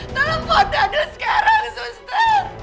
telepon daniel sekarang suster